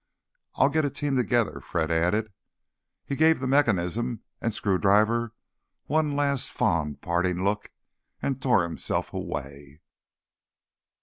"I'll get a team together," Fred added. He gave the mechanism and screwdriver one last fond parting look, and tore himself away.